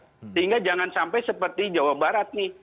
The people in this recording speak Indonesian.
sehingga jangan sampai seperti jawa barat nih